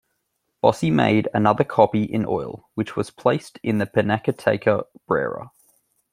Bossi made another copy in oil, which was placed in the Pinacoteca Brera.